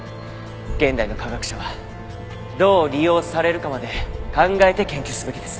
現代の科学者はどう利用されるかまで考えて研究すべきです。